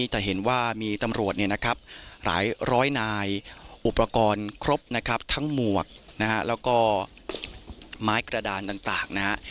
จะเห็นว่ามีตำรวจหลายร้อยนายอุปกรณ์ครบนะครับทั้งหมวกแล้วก็ไม้กระดานต่างนะครับ